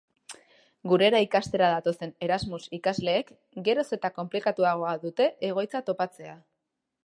Gurera ikastera datozen Erasmus ikasleek geroz eta konplikatuagoa dute egoitza topatzea.